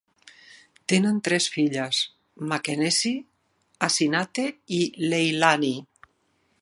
Tenen tres filles: Makenesi, Asinate i Leilani.